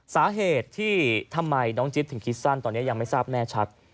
สาเหตุที่ทำไมน้องจิ๊บถึงคิดสั้นตอนนี้ยังไม่ทราบแน่ชัด